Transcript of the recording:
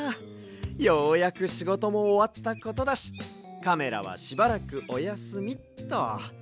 ようやくしごともおわったことだしカメラはしばらくおやすみっと。